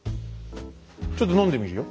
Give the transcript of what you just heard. ちょっと飲んでみるよ。